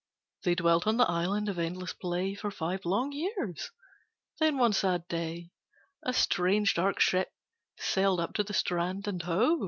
They dwelt on the Island of Endless Play For five long years; then one sad day A strange, dark ship sailed up to the strand, And 'Ho!